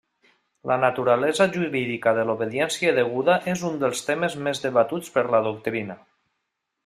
La naturalesa jurídica de l'obediència deguda és un dels temes més debatuts per la doctrina.